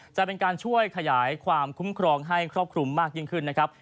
จะเป็นการช่วยขยายความคุ้มครองให้ครอบคลุมมากยิ่งขึ้นนะครับ